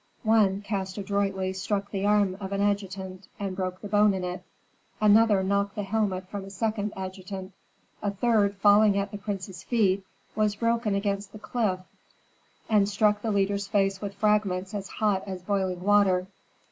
One, cast adroitly, struck the arm of an adjutant, and broke the bone in it; another knocked the helmet from a second adjutant; a third, falling at the prince's feet, was broken against the cliff and struck the leader's face with fragments as hot as boiling water.